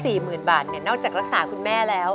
หมื่นบาทเนี่ยนอกจากรักษาคุณแม่แล้ว